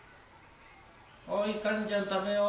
おいかりんちゃん食べよう。